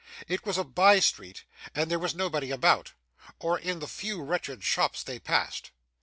It was a by street, and there was nobody about, or in the few wretched shops they passed.